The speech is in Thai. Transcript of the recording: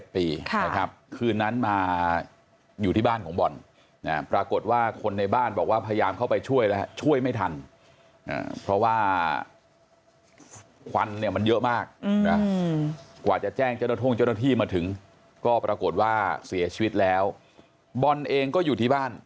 เพราะว่าควันมันเยอะมากกว่าจะแจ้งเจ้าหน้าท่วงเจ้าหน้าที่มาถึงก็ปรากฏว่าเสียชีวิตแล้วบ่อนเองก็อยู่ที่บ้าน